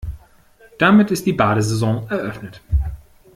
Damit ist die Badesaison eröffnet.